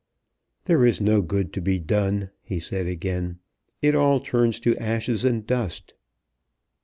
"There is no good to be done," he said again. "It all turns to ashes and to dust.